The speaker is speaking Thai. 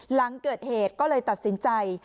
หลังเกิดเหตุก็เลยตัดสินใจ